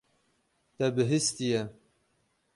Te bihîstiye.